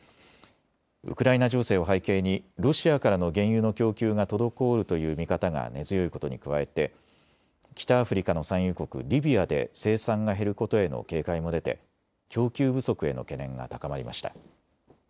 ウクライナ情勢を背景にロシアからの原油の供給が滞るという見方が根強いことに加えて北アフリカの産油国リビアで生産が減ることへの警戒も出て供給不足への懸念が高まりました。